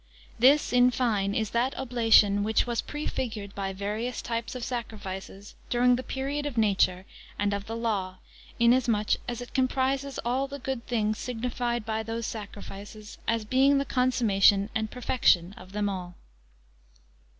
This, in fine, is that oblation which was prefigured by various types of sacrifices, during the period of nature, and of the law; in as much as it comprises all the good things signified by those sacrifices, as being the consummation and perfection of them all.